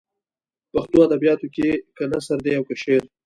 په پښتو ادبیاتو کې که نثر دی او که شعر.